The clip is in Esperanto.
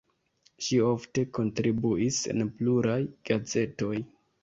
Ŝi ofte kontribuis en pluraj gazetoj.